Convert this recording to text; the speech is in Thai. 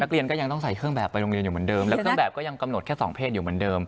ก็ยังต้องใส่เครื่องแบบไปโรงเรียนอยู่เหมือนเดิมแล้วเครื่องแบบก็ยังกำหนดแค่สองเพศอยู่เหมือนเดิม